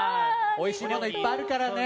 おいしいものいっぱいあるからね。